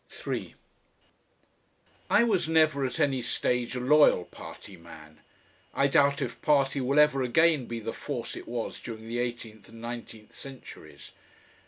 3 I was never at any stage a loyal party man. I doubt if party will ever again be the force it was during the eighteenth and nineteenth centuries.